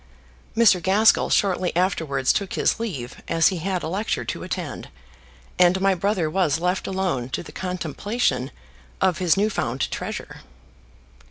Mr. Gaskell shortly afterwards took his leave as he had a lecture to attend, and my brother was left alone to the contemplation of his new found treasure.